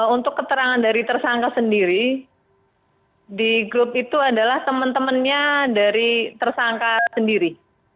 untuk keterangan dari tersangka sendiri di grup itu adalah teman temannya dari tersangka sendiri